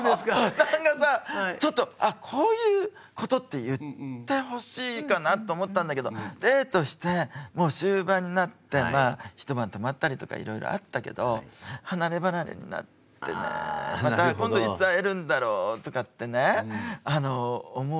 何かさちょっとあこういうことって言ってほしいかなと思ったんだけどデートしてもう終盤になってまあ一晩泊まったりとかいろいろあったけど離れ離れになってねまた今度いつ会えるんだろうとかってね思う